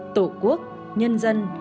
tổ quốc nhân dân